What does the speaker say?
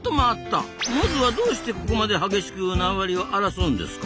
モズはどうしてここまで激しく縄張りを争うんですか？